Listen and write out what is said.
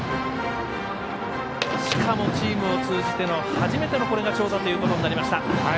しかもチームを通じての初めての長打となりました。